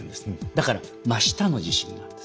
だから真下の地震なんです。